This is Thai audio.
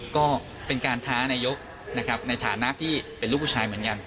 ก็เป็นการท้านายกนะครับในฐานะที่เป็นลูกผู้ชายเหมือนกัน